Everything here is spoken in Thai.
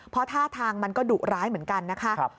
เพราะท่าทางมันก็ดุร้ายเหมือนกันนะคะ